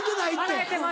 洗えてます。